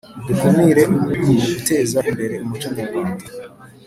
Dukumire muguteze imbere umuco nyarwanda